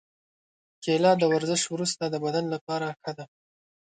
کېله د ورزش وروسته د بدن لپاره ښه ده.